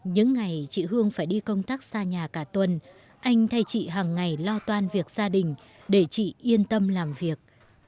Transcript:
những ngày chị hương phải đi công tác xa nhà cả tuần anh thay chị hằng ngày lo toan việc gia đình để chị yên tâm làm việc